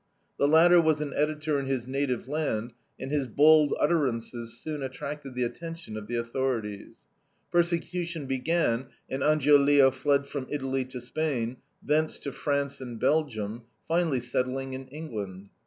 The latter was an editor in his native land, and his bold utterances soon attracted the attention of the authorities. Persecution began, and Angiolillo fled from Italy to Spain, thence to France and Belgium, finally settling in England.